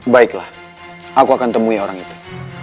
baiklah aku akan temui orang itu